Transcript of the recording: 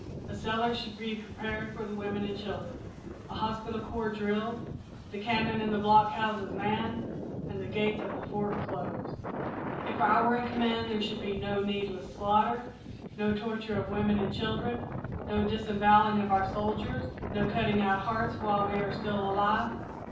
A cellar should be prepared for the women and children, a hospital corps drilled, the cannon in the blockhouses manned, and the gates of the Fort closed. "If I were in command there should be no needless slaughter, no torture of women and children, no disembowelling of our soldiers, no cutting our hearts out while we are still alive.